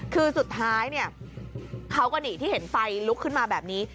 คือสุดท้ายเนี่ยเขาก็นี่ที่เห็นไฟลุกขึ้นมาแบบนี้